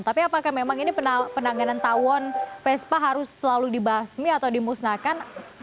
tapi apakah memang ini penanganan tawon vespa harus selalu dibasmi atau dimusnahkan